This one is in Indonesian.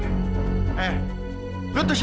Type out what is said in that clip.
eh lu itu siapa sih